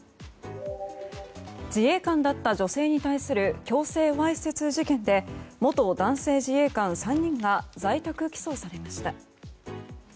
自衛官だった女性に対する強制わいせつ事件で元男性自衛官３人が在宅起訴されました。